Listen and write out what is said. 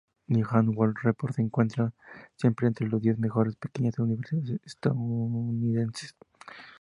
News and World Report se encuentra siempre entre los diez mejores pequeñas universidades estadounidenses.